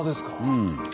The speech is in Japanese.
うん。